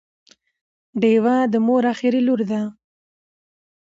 ډیوه د مور اخري لور ده